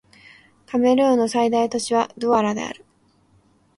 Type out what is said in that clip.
カメルーンの最大都市はドゥアラである